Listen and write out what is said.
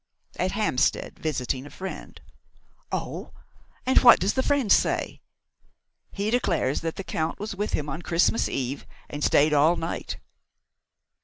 "At Hampstead, visiting a friend." "Oh! And what does the friend say?" "He declares that the Count was with him on Christmas Eve and stayed all night."